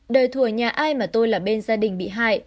đời thù ở nhà ai mà tôi là bên gia đình bị hại